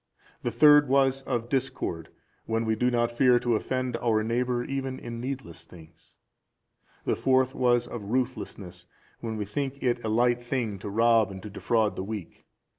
The third was of discord, when we do not fear to offend our neighbour even in needless things. The fourth was of ruthlessness when we think it a light thing to rob and to defraud the weak.